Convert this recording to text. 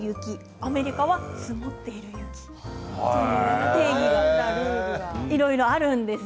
アメリカは積もっている雪という定義になるんです。